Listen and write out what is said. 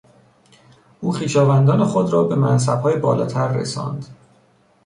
او خویشاوندان خود را به منصبهای بالاتر رساند.